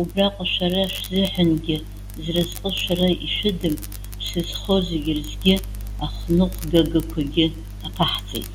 Убраҟа шәара шәзыҳәангьы, зразҟы шәара ишәыдым, ԥсы зхоу зегьы рзгьы, ахныҟәгагақәагьы аԥаҳҵеит.